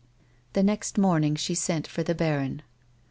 The next morning she sent for the baron.